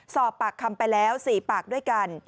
สอบปากคำไปแล้ว๔ปากด้วยกัน